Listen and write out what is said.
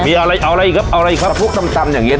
อ่ะมีอะไรเอาอะไรอีกครับเอาอะไรอีกครับถ้าพลุกตำตำอย่างเงี้ย